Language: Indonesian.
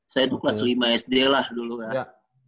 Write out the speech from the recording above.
saya tuh kelas lima sd lah dulu kan